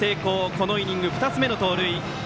このイニング、２つ目の盗塁。